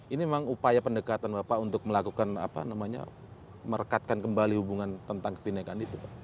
ini memang upaya pendekatan bapak untuk melakukan apa namanya merekatkan kembali hubungan tentang kebhinnekaan itu pak